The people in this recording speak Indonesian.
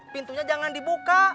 pintunya jangan dibuka